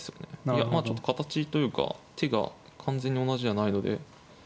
いやまあちょっと形というか手が完全に同じじゃないので。